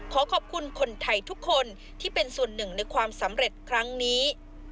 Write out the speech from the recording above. ขอขอบคุณคนไทยทุกคนที่เป็นส่วนหนึ่งในความสำเร็จครั้งนี้